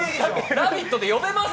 「ラヴィット！」で呼べます？